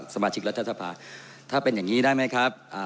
ทบาทที่คจายภาคถ้าเป็นอย่างนี้ได้ไหมครับ